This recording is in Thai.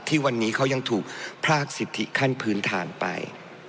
ที่วันนี้เขายังถูกพรากสิทธิขั้นพื้นฐานไป